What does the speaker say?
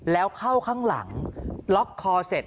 แล้วเข้าข้างหลังล็อกคอเสร็จ